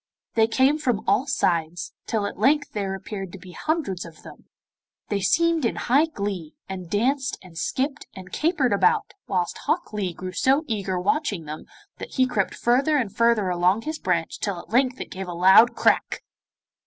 They came from all sides, till at length there appeared to be hundreds of them. They seemed in high glee, and danced and skipped and capered about, whilst Hok Lee grew so eager watching them that he crept further and further along his branch till at length it gave a loud crack.